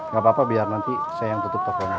gapapa biar nanti saya yang tutup tokonya ya